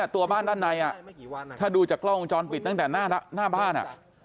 ตัวบ้านด้านในถ้าดูจากกล้องวงจรปิดตั้งแต่หน้าบ้าน